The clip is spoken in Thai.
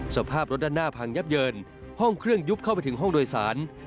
สภาพรถด้านหน้าพังยับเยินห้องเครื่องยุบเข้าไปถึงห้องโดยสาร